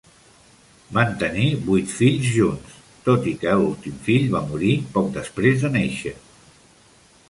Van tenir vuit fills junts, tot i que l'últim fill va morir poc després de nàixer.